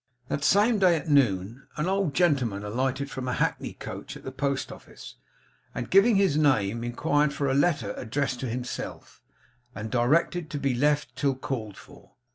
That same day at noon, an old gentleman alighted from a hackney coach at the post office, and, giving his name, inquired for a letter addressed to himself, and directed to be left till called for.